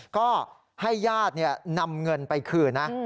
ก็ให้ญาตินำเงินไปคืนนะ